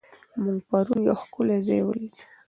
موږ پرون یو ښکلی ځای ولید.